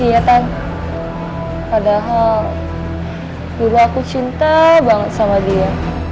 iya kan padahal dulu aku cinta banget sama dia